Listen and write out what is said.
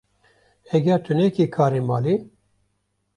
Heger tu nekî karê malê